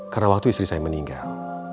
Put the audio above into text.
karena waktu istri saya meninggal